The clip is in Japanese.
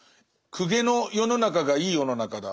公家の世の中がいい世の中だ